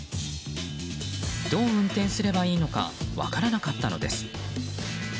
どう運転すればいいのか分からなかったのです。